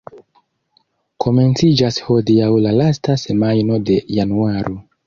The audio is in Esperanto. Komenciĝas hodiaŭ la lasta semajno de januaro.